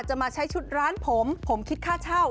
มาใช้ชุดร้านผมผมคิดค่าเช่า